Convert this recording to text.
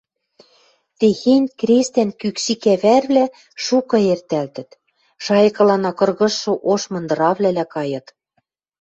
Техень крестӓн кӱкшикӓ вӓрвлӓ шукы эртӓлтӹт, шайыкылана кыргыжшы ош мындыравлӓлӓа кайыт.